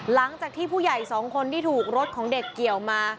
หลังจากที่ผู้ใหญ่สองคนที่ถูกรถของเด็กเกี่ยวมา